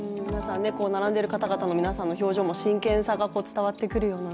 並んでる方々の皆さんの真剣さも伝わってくるようなね